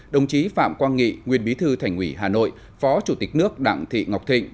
đồng chí phạm quang nghị nguyên bí thư thành ủy hà nội phó chủ tịch nước đặng thị ngọc thịnh